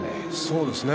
そうですね。